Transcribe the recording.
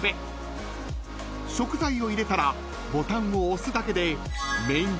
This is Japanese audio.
［食材を入れたらボタンを押すだけで］